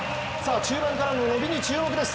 中盤からの伸びに注目です。